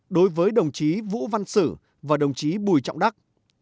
đối với đồng chí vũ văn sử và đồng chí bùi trọng đắc